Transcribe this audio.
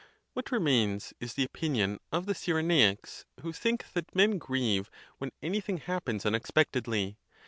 What remains is the opinion of the Cyrenaics, who think that men grieve when anything happens unex pectedly.